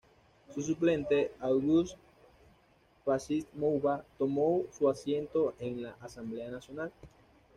Su suplente, Auguste Mpassi-Mouba, tomó su asiento en la Asamblea Nacional.